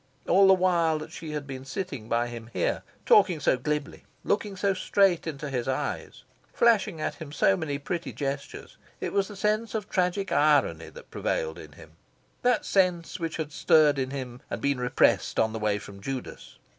All the while that she had been sitting by him here, talking so glibly, looking so straight into his eyes, flashing at him so many pretty gestures, it was the sense of tragic irony that prevailed in him that sense which had stirred in him, and been repressed, on the way from Judas.